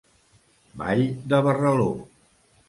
Ball de barraló.